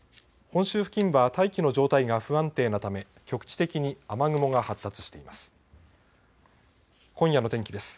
本州付近は大気の状態が不安定なため局地的に雨雲が発達しています。